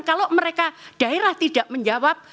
kalau mereka daerah tidak menjawab